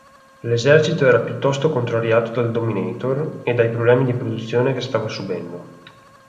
L'esercito era piuttosto contrariato dal Dominator e dai problemi di produzione che stava subendo.